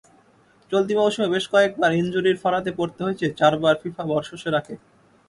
চলতি মৌসুমে বেশ কয়েকবার ইনজুরির ফাঁড়াতে পড়তে হয়েছে চারবার ফিফা বর্ষসেরাকে।